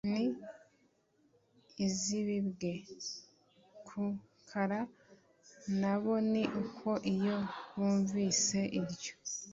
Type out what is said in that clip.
n izibibwe ku kara na bo ni uko iyo bumvise iryo